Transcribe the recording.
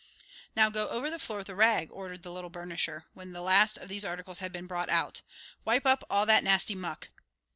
"Now go over the floor with a rag," ordered the little burnisher, when the last of these articles had been brought out. "Wipe up all that nasty muck!